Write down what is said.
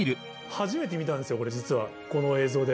初めて見たんですよこれ実はこの映像で。